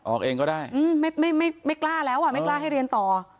ออกเองก็ได้ไม่กล้าแล้วอ่ะไม่กล้าให้เรียนต่อ